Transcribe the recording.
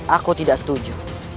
aku tidak setuju